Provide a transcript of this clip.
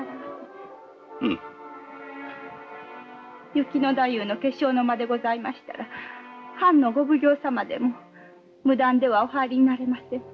雪野太夫の化粧の間でございましたら藩のご奉行様でも無断ではお入りになれません。